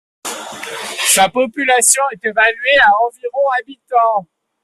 Sa population est évaluée à environ habitants.